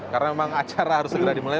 karena memang acara harus segera dimulai